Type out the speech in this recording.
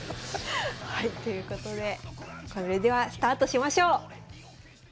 はいということでそれではスタートしましょう。